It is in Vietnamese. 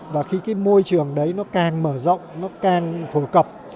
và khi cái môi trường đấy nó càng mở rộng nó càng phổ cập